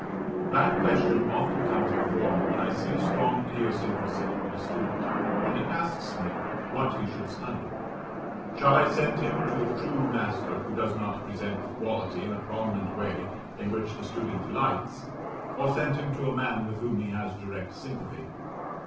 That question often comes before me when I see a strong idiosyncrasy in a student, and he asks me what he should study. Shall I send him to a true master, who does not present the quality in a prominent way in which that student delights, or send him to a man with whom he has direct sympathy?